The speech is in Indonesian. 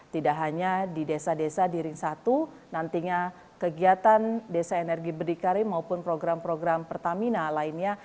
tidak hanya di desa desa di ring satu nantinya kegiatan desa energi berdikari maupun program program pertamina lainnya